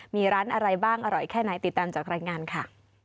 มีร้านอะไรบ้างอร่อยแค่ไหนติดตามจากรายงานค่ะ